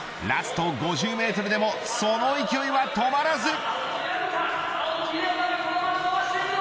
ラスト５０メートルでもその勢いは止まらず。